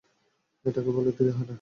এটাকে বলে ধীরে হাটা।